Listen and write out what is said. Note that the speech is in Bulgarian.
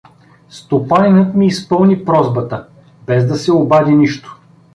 Стопанинът ми изпълни просбата; без да се обади нищо.